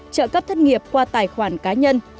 trợ cấp thất nghiệp qua tài khoản cá nhân